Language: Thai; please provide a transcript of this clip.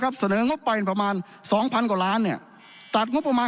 เสนองบไปประมาณสองพันกว่าล้านเนี่ยตัดงบประมาณ